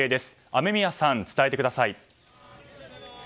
アメミヤさん、伝えてください。